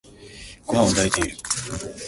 ごはんを炊いている。